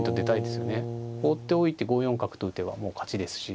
放っておいて５四角と打てばもう勝ちですし。